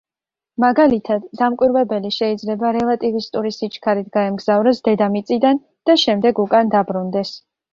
მაგალითად, დამკვირვებელი შეიძლება რელატივისტური სიჩქარით გაემგზავროს დედამიწიდან და შემდეგ უკან დაბრუნდეს.